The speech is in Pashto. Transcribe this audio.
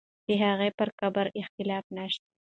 د هغې پر قبر اختلاف نه شته.